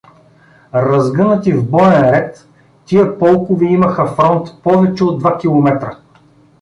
Разгънати в боен ред, тия полкове имаха фронт повече от два километра.